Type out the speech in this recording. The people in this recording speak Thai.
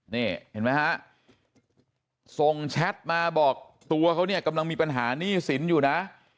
นี่เห็นไหมฮะส่งแชทมาบอกตัวเขาเนี่ยกำลังมีปัญหาหนี้สินอยู่นะ